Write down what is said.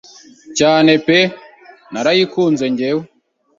cyane peee narayikunze njyewe